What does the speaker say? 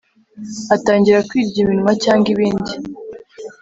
atangira kwirya iminwa cyangwa ibindi